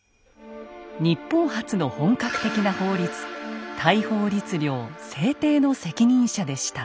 日本初の本格的な法律大宝律令制定の責任者でした。